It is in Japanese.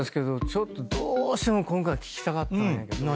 ちょっとどうしても今回聞きたかったんやけど。